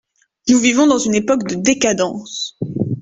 Nous vivons dans une époque de décadence…